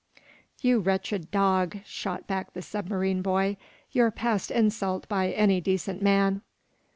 "You wretched dog," shot back the submarine boy, "you're past insult by any decent man!"